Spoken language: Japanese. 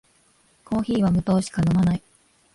コーヒーは無糖しか飲まない